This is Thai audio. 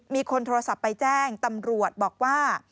มีคนโทรศัพท์ไปแจ้งตำรวจบอกว่า